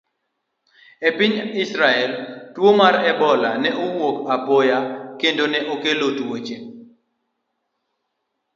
E piny Israel, tuwo mar Ebola ne owuok apoya kendo ne okelo tuoche.